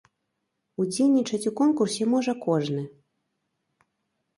Удзельнічаць у конкурсе можа кожны.